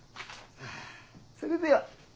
それでは。